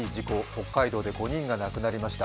北海道で５人が亡くなりました。